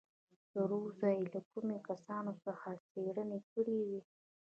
تر اوسه چې یې له کومو کسانو څخه څېړنې کړې وې.